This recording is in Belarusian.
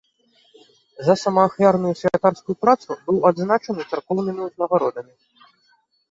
За самаахвярную святарскую працу быў адзначаны царкоўнымі ўзнагародамі.